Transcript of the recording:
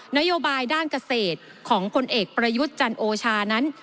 นโยบายด้านเกษตรของพลเอกประยุทธ์จันโอชานั้น